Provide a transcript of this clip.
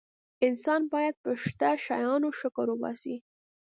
انسان باید په شته شیانو شکر وباسي.